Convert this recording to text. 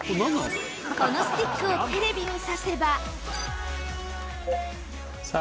このスティックをテレビに挿せば。